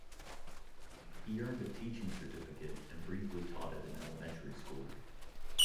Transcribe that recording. He earned a teaching certificate and briefly taught at an elementary school.